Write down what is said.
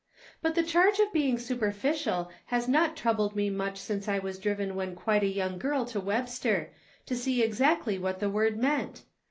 But the charge of being superficial, has not troubled me much since I was driven when quite a young girl to Webster, to see exactly what the word meant.